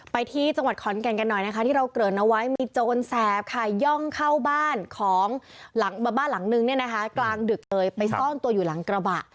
ไปที่จังหวัดขอนแก่นกันหน่อยนะคะที่เราเกริ่นเอาไว้มีโจรแสบค่ะย่องเข้าบ้านของบ้านหลังนึงเนี่ยนะคะกลางดึกเลยไปซ่อนตัวอยู่หลังกระบะ